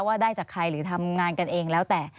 ว่าได้จากใครหรือทำงานกันเองแล้วแต่